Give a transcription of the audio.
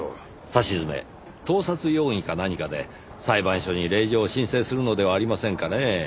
さしずめ盗撮容疑か何かで裁判所に令状を申請するのではありませんかねぇ。